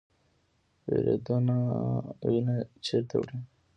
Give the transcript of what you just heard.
وریدونه وینه چیرته وړي؟